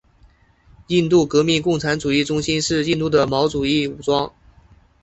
印度革命共产主义中心是印度的毛主义武装。